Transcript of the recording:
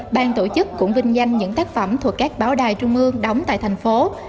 ban tổ chức cũng vinh danh những tác phẩm thuộc các báo đài trung ương đóng tại thành phố